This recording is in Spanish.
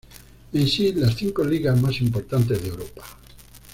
En si las cinco ligas más importantes de Europa.